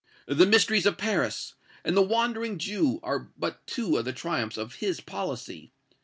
'The Mysteries of Paris' and 'The Wandering Jew' are but two of the triumphs of his policy.